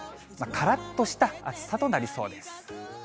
からっとした暑さとなりそうです。